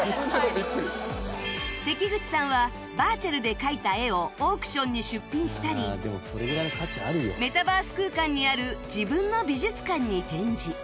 せきぐちさんはバーチャルで描いた絵をオークションに出品したりメタバース空間にある自分の美術館に展示